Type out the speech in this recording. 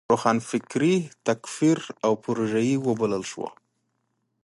روښانفکري تکفیر او پروژيي وبلل شوه.